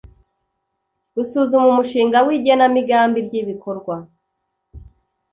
gusuzuma umushinga w igenamigambi ry ibikorwa